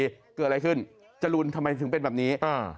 เกิดอะไรขึ้นจรูนทำไมถึงเป็นแบบนี้